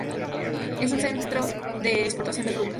Es un centro de exportación de frutas.